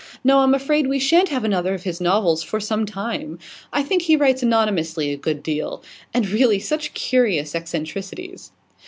No, I'm afraid we shan't have another of his novels for some time. I think he writes anonymously a good deal. And really, such curious eccentricities!